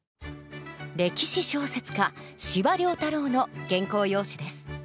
歴史小説家司馬太郎の原稿用紙です。